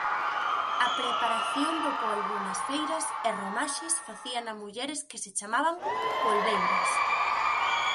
A preparación do polbo nas feiras e romaxes facíana mulleres que se chamaban "polbeiras".